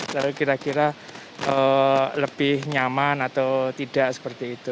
lalu kira kira lebih nyaman atau tidak seperti itu